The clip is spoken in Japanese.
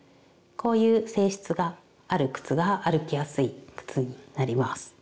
こういう性質がある靴が歩きやすい靴になります。